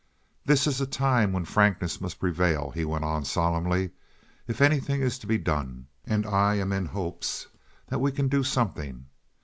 "This is a time when frankness must prevail," he went on, solemnly, "if anything is to be done, and I am in hopes that we can do something.